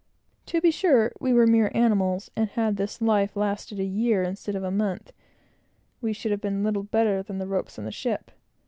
To be sure, we were mere animals and had this life lasted a year instead of a month we should have been little better than the ropes in the ship.